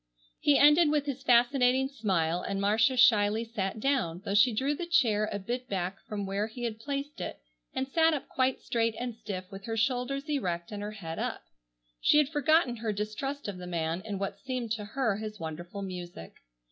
He ended with his fascinating smile, and Marcia shyly sat down, though she drew the chair a bit back from where he had placed it and sat up quite straight and stiff with her shoulders erect and her head up. She had forgotten her distrust of the man in what seemed to her his wonderful music.